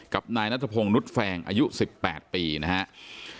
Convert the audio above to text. กับนายนัทพงศ์นุษยแฟงอายุ๑๘ปีนะครับ